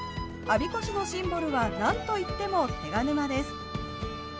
我孫子市のシンボルはなんといっても手賀沼です。